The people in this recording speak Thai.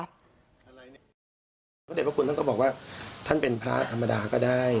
พระเด็จพระคุณท่านก็บอกว่าท่านเป็นพระธรรมดาก็ได้